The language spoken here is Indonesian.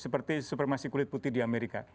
seperti supermasi kulit putih di amerika